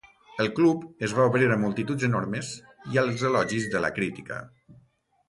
El club es va obrir a multituds enormes i als elogis de la crítica.